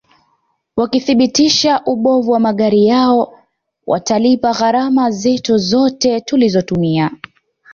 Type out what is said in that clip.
wakithibitisha ubovu wa magari yao watalipa gharama zetu zote tulizotumia